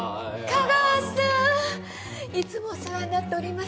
香川さんいつもお世話になっております。